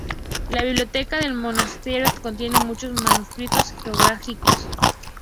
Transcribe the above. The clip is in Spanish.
La biblioteca del monasterio contiene muchos manuscritos georgianos.